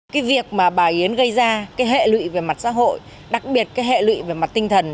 cái việc mà bà yến gây ra cái hệ lụy về mặt xã hội đặc biệt cái hệ lụy về mặt tinh thần